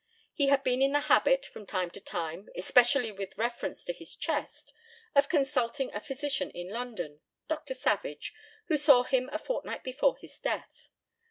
He had been in the habit, from time to time, especially with reference to his chest, of consulting a physician in London Dr. Savage, who saw him a fortnight before his death.